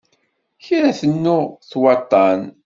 Kra tennuɣ d waṭṭan.